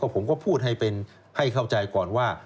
ผมก็พูดให้เข้าใจก่อนว่า